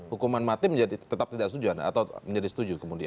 hukuman mati tetap tidak setuju atau menjadi setuju kemudian